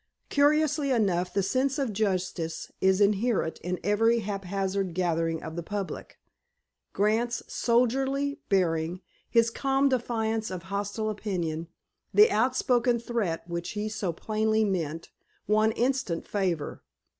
Curiously enough, the sense of justice is inherent in every haphazard gathering of the public. Grant's soldierly bearing, his calm defiance of hostile opinion, the outspoken threat which he so plainly meant, won instant favor.